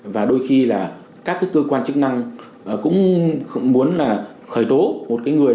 và đôi khi là các cơ quan chức năng cũng muốn là khởi tố một người